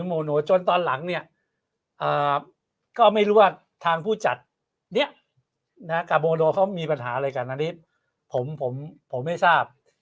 โมโนจนตอนหลังเนี่ยก็ไม่รู้ว่าทางผู้จัดเนี่ยกับโมโดเขามีปัญหาอะไรกันอันนี้ผมไม่ทราบ